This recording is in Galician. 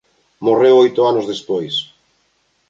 Morreu oito anos despois.